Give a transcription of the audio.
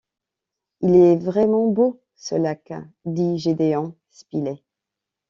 Il est vraiment beau! ce lac, dit Gédéon Spilett.